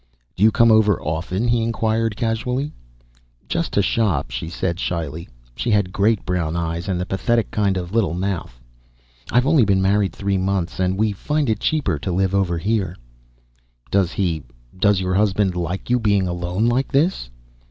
"Do you come over often?" he inquired casually. "Just to shop," she said shyly. She had great brown eyes and the pathetic kind of little mouth. "I've only been married three months, and we find it cheaper to live over here." "Does he does your husband like your being alone like this?"